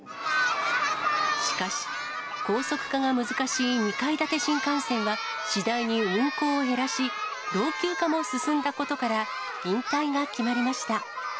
しかし、高速化が難しい２階建て新幹線は次第に運行を減らし、老朽化も進んだことから、引退が決まりました。